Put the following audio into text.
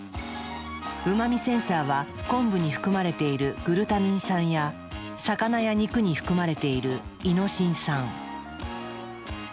うま味センサーは昆布に含まれているグルタミン酸や魚や肉に含まれているイノシン酸。